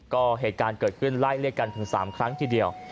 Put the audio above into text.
ก็เหตุการณ์เกิดขึ้นไล่เรียกกันถึง๓ครั้งทีเดียว